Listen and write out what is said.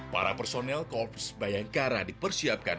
para personel korps bayangkara dipersiapkan